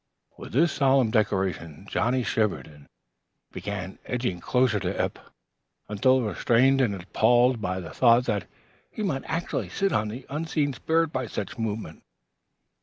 With this solemn declaration Johnnie shivered and began edging closer to Eph, until restrained and appalled by the thought that he might actually sit on the unseen spirit by such movement.